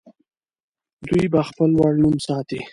دوی به خپل لوړ نوم ساتي.